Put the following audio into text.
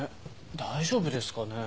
大丈夫ですかね？